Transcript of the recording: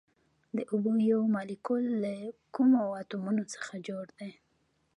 د اوبو یو مالیکول له کومو اتومونو څخه جوړ دی